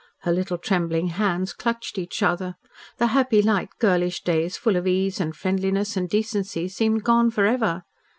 Her little trembling hands clutched each other. The happy, light girlish days full of ease and friendliness and decency seemed gone forever.